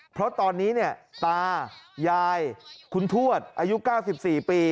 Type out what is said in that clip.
เพราะตอนนี้ตายายคุณทั่วต์อายุ๙๔ปี